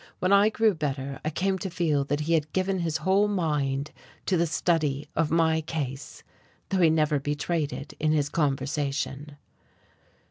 When I grew better I came to feel that he had given his whole mind to the study of my case, though he never betrayed it in his conversation.